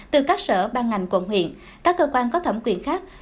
từ các sở ban ngành quận huyện các cơ quan có thẩm quyền khác